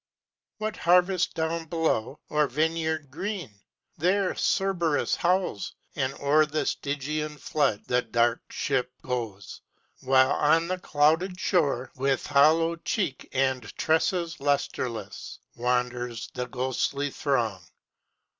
What harvest down below, or vineyard green? There Cerberus howls, and o'er the Stygian flood The dark ship goes; while on the clouded shore With hollow cheek and tresses lustreless, Wanders the ghostly throng.